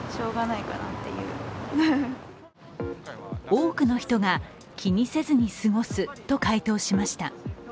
多くの人が気にせずに過ごすと回答しました。